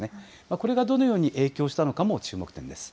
これがどのように影響したのかも注目点です。